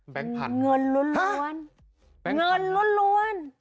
แบงค์พันธุ์เงินล้วน